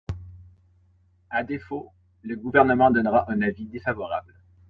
À défaut, le Gouvernement donnera un avis défavorable.